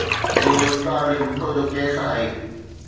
اهو ذوالفقار علي ڀٽو جو ڪيس آهي.